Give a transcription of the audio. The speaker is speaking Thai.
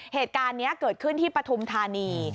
เหตุการณ์นี้เกิดขึ้นที่ปฐุมธานี